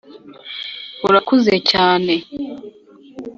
urakuze cyane.